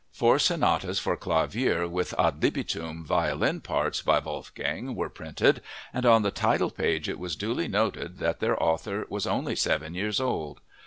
Four sonatas for clavier with ad libitum violin parts by Wolfgang were printed, and on the title page it was duly noted that their author was "only seven years old."